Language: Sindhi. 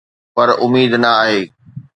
پر اميد نه آهي